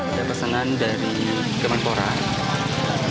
ada pesanan dari kementerian pemuda